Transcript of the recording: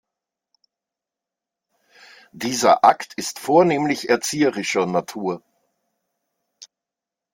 Dieser Akt ist vornehmlich erzieherischer Natur.